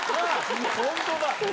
本当だ。